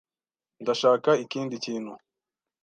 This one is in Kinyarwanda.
Ndashaka ikindi kintu.